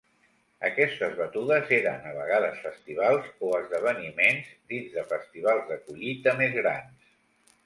Aquestes batudes eren a vegades festivals o esdeveniments dins de festivals de collita més grans.